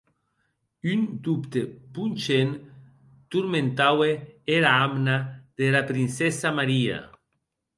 Un dobte ponchent tormentaue era amna dera princessa Maria.